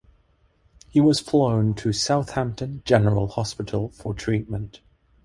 He was flown to Southampton General Hospital for treatment.